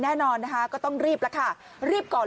แน่นอนฮะก็ต้องรีบล่ะค่ะรีบก่อนเลย